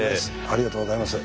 ありがとうございます。